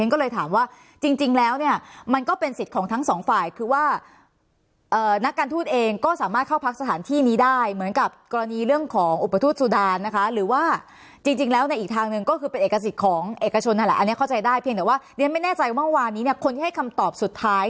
ก็เลยถามว่าจริงแล้วเนี่ยมันก็เป็นสิทธิ์ของทั้งสองฝ่ายคือว่านักการทูตเองก็สามารถเข้าพักสถานที่นี้ได้เหมือนกับกรณีเรื่องของอุปทูตสุดานนะคะหรือว่าจริงแล้วในอีกทางหนึ่งก็คือเป็นเอกสิทธิ์ของเอกชนนั่นแหละอันนี้เข้าใจได้เพียงแต่ว่าเรียนไม่แน่ใจว่าเมื่อวานนี้เนี่ยคนที่ให้คำตอบสุดท้าย